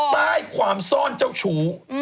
ใต้ความซ่อนเจ้าชู้